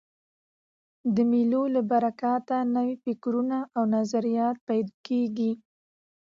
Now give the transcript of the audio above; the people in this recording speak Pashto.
د مېلو له برکته نوي فکرونه او نظریات پیدا کېږي.